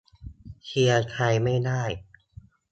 เชียร์ใครไม่ได้